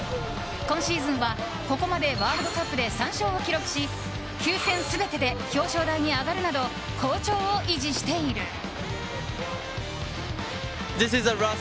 今シーズンはここまでワールドカップで３勝を記録し９戦全てで表彰台に上がるなど好調を維持している。